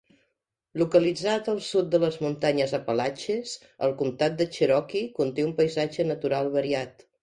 Localitzat al sud de les Muntanyes Apalatxes, el comtat de Cherokee conté un paisatge natural variat.